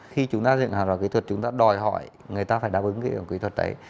khi chúng ta dựng hàng rào kỹ thuật chúng ta đòi hỏi người ta phải đáp ứng cái kỹ thuật đấy